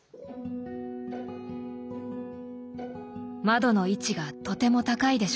窓の位置がとても高いでしょう？